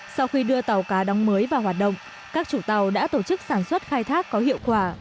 sau khi đưa tàu cá đóng mới vào hoạt động các chủ tàu đã tổ chức sản xuất khai thác có hiệu quả